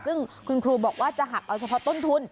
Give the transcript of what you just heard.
ซึ่งคุณครูบอกว่าจะหักเอาเฉพาะต้นทุน